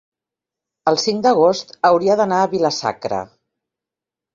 el cinc d'agost hauria d'anar a Vila-sacra.